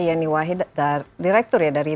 yeni wahid direktur dari